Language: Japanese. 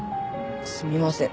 すみません。